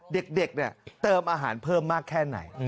เด็กเนี่ยเติมอาหารเพิ่มมากแค่ไหน